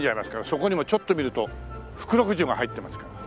そこにもちょっと見ると福禄寿が入ってますから。